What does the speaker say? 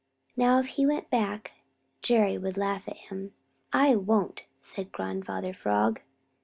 Now if he went back, Jerry would laugh at him. "I won't!" said Grandfather Frog.